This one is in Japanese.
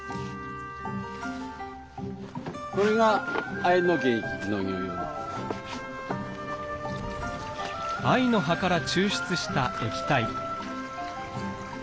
青森市の藍の葉から抽出した液体。